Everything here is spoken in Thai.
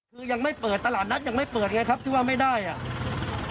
คือยังไม่เปิดตลาดนัดยังไม่เปิดไงครับที่ว่าไม่ได้อ่ะ